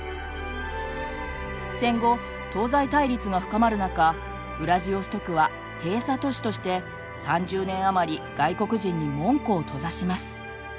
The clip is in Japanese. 戦後東西対立が深まる中ウラジオストクは「閉鎖都市」として３０年あまり外国人に門戸を閉ざします。